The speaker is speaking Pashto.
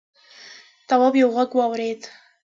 تواب یوه غږ واورېد.